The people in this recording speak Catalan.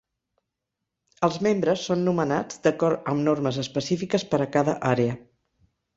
Els membres són nomenats d'acord amb normes específiques per a cada àrea.